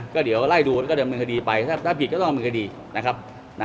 ก็เดี๋ยวไล่ดูก็จะเอาเมืองคดีไปถ้าผิดก็ต้องเอาเมืองคดีนะครับ